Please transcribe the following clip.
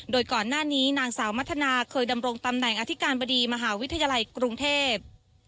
โดยก่อนหน้านี้นางสาวมัธนาเคยดำรงตำแหน่งอธิการบดีมหาวิทยาลัยกรุงเทพ